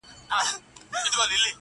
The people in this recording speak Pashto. څه ورېښمین شالونه لوټ کړل غدۍ ورو ورو-